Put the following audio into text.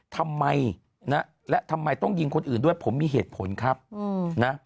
ทำไมนะและทำไมต้องยิงคนอื่นด้วยผมมีเหตุผลครับนะ